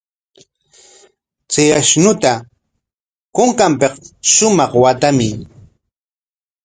Chay ashnuta kunkanpik shumaq waatamuy.